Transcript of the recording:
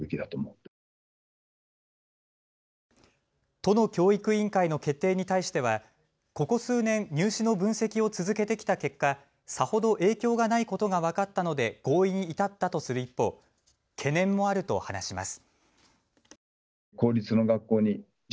都の教育委員会の決定に対してはここ数年、入試の分析を続けてきた結果、さほど影響がないことが分かったので合意に至ったとする一方、懸念もあると話します。